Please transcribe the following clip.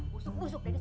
busuk busuk dika sonam